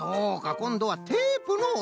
こんどはテープのおなやみか！